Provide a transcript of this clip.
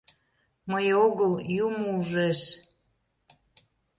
Мый огыл... юмо ужеш...